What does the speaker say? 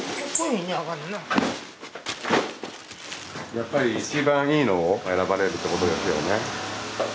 やっぱり一番いいのを選ばれるってことですよね？